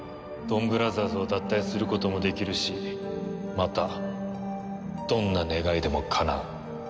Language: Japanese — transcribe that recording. ドンブラザーズを脱退することもできるしまたどんな願いでもかなう。